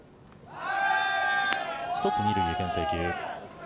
１つ、２塁へけん制球。